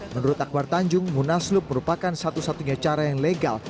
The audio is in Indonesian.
menurut akbar tanjung munaslup merupakan satu satunya cara yang legal